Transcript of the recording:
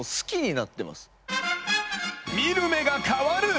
見る目が変わる！